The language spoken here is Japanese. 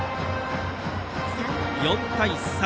４対３。